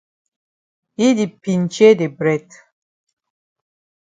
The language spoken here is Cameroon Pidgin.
Yi di pinchay de bread.